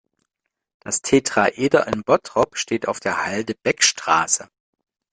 Das Tetraeder in Bottrop steht auf der Halde Beckstraße.